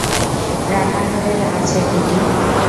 রান্নাঘরেই আছে, কিটি!